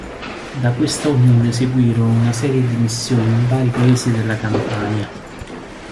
Da questa unione seguirono una serie di missioni in vari paesi della Campania.